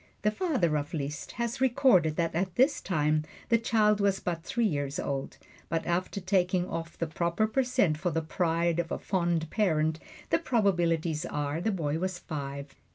The father of Liszt has recorded that at this time the child was but three years old, but after taking off the proper per cent for the pride of a fond parent, the probabilities are the boy was five.